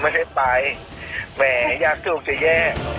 ไม่ใช่ไปแหมยากถูกจะแย่